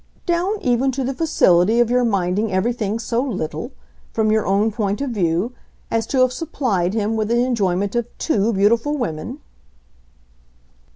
"Down even to the facility of your minding everything so little from your own point of view as to have supplied him with the enjoyment of TWO beautiful women."